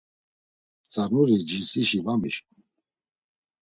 Mtzanuri cinsişi va mişǩun…